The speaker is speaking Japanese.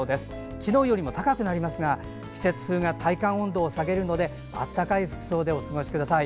昨日より高くなりますが季節風が体感温度を下げるので暖かい服装でお過ごしください。